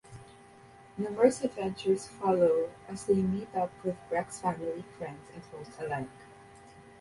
Numerous adventures follow as they meet up with Breck's family, friends and foes alike.